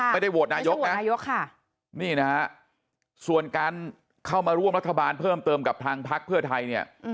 ไม่ได้โหวตนายกนะนายกค่ะนี่นะฮะส่วนการเข้ามาร่วมรัฐบาลเพิ่มเติมกับทางพักเพื่อไทยเนี่ย